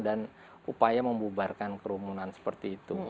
dan upaya membubarkan kerumunan seperti itu